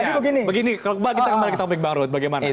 kalau kita kembali ke topik baru bagaimana